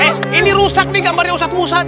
eh ini rusak nih gambarnya ustadz ustadz